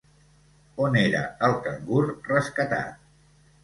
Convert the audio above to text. On era el cangur rescatat?